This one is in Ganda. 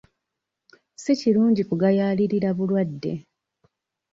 Si kirungi kugayaalirira bulwadde.